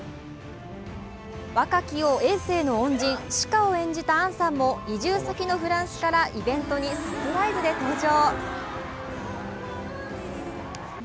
若き王・えい政の恩人・紫夏を演じた杏さんも移住先のフランスからイベントにサプライズで登場。